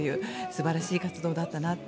素晴らしい活動だったなと。